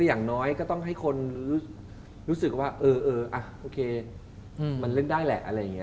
อย่างน้อยก็ต้องให้คนรู้สึกว่าเออโอเคมันเล่นได้แหละอะไรอย่างนี้